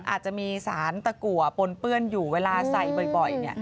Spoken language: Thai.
อาจจะมีสารตะกัวปนเปื้อนอยู่เวลาใส่บ่อย